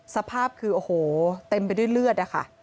สภาพคือโอ้โหเต็มไปด้วยเลือดนะคะ